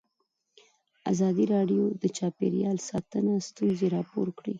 ازادي راډیو د چاپیریال ساتنه ستونزې راپور کړي.